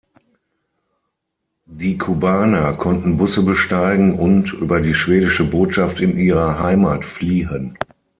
Die Kubaner konnten Busse besteigen und, über die schwedische Botschaft, in ihre Heimat fliehen.